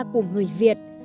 của người việt